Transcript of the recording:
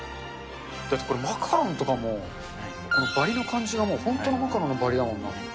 だってこれ、マカロンとかもこのばりの感じが本当のマカロンのばりだもんな。